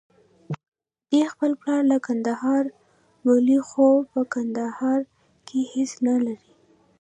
دی خپل پلار له کندهار بولي، خو په کندهار کې هېڅ نلري.